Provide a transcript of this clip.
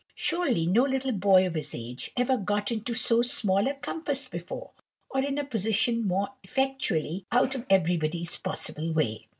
Surely no little boy of his age ever got into so small a compass before, or in a position more effectually out of everybody's possible way.